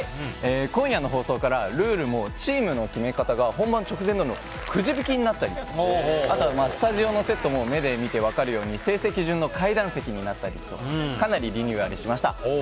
今夜の放送からルールもチームの決め方が本番直前のくじ引きになったりあとはスタジオのセットも目で見て分かるように成績順の階段席になったりとかなりリニューアルしました。